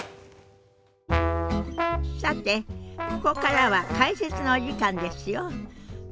さてここからは解説のお時間ですよ。